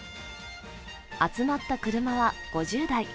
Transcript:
集まった車は５０台。